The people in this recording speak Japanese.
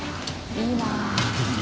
いいな。